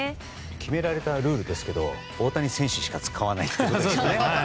決められたルールですが大谷選手しか使わないという。